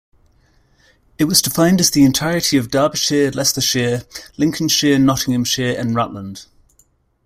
It was defined as the entirety of Derbyshire, Leicestershire, Lincolnshire, Nottinghamshire and Rutland.